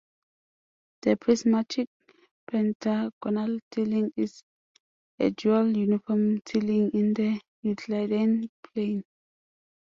The prismatic pentagonal tiling is a dual uniform tiling in the Euclidean plane.